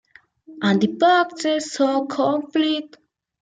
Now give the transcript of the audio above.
Poseen collares negros bordeados de una tonalidad clara.